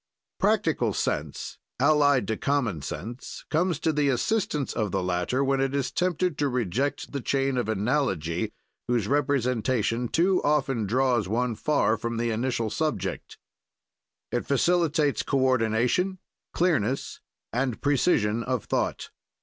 "Practical sense, allied to common sense, comes to the assistance of the latter, when it is tempted to reject the chain of analogy, whose representation too often draws one far from the initial subject. "It facilitates coordination, clearness, and precision of thought.